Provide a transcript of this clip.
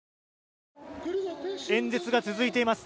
演説が続いています。